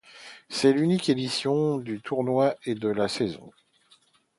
C'est l'unique édition du tournoi et le de la saison.